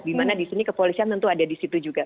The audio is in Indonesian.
dimana di sini kepolisian tentu ada di situ juga